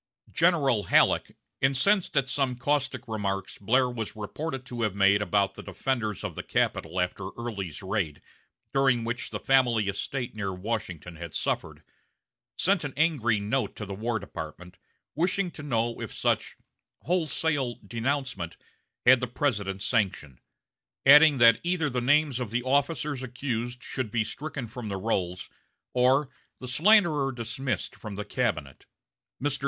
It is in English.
General Halleck, incensed at some caustic remarks Blair was reported to have made about the defenders of the capital after Early's raid, during which the family estate near Washington had suffered, sent an angry note to the War Department, wishing to know if such "wholesale denouncement" had the President's sanction; adding that either the names of the officers accused should be stricken from the rolls, or the "slanderer dismissed from the cabinet." Mr.